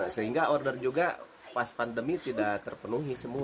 sehingga order juga pas pandemi tidak terpenuhi semua